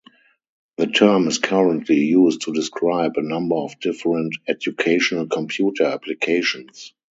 The term is currently used to describe a number of different educational computer applications.